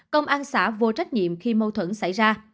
công an xã vô trách nhiệm khi mâu thuẫn xảy ra